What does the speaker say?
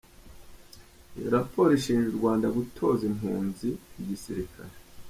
Iyi raporo ishinja u Rwanda gutoza impunzi igisirikare.